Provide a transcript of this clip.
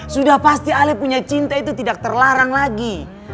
sudah pasti alih punya cinta itu tidak terlarang lagi